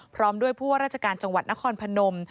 พร้อมด้วยผู้ว่าราชการจังหวัดนครพนม